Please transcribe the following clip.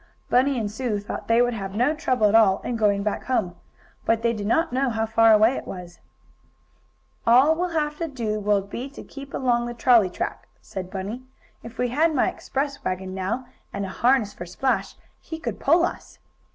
Bunny and Sue thought they would have no trouble at all in going back home, but they did not know how far away it was. "All we'll have to do will be to keep along the trolley track," said Bunny. "If we had my express wagon now, and a harness for Splash, he could pull us."